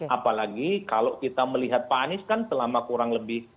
apalagi kalau kita melihat pak anies kan selama kurang lebih